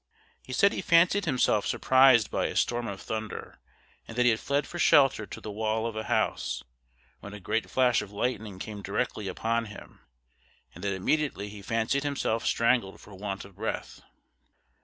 He said he fancied himself surprised by a storm of thunder, and that he fled for shelter to the wall of a house, when a great flash of lightning came directly upon him, and that immediately he fancied himself strangled for want of breath.